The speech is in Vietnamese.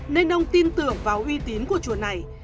nên ông tin tưởng vào uy tín của chùa này